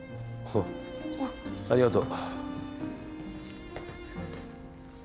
ありがとう。